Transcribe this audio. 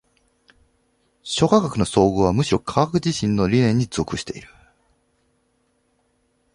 諸科学の綜合はむしろ科学自身の理念に属している。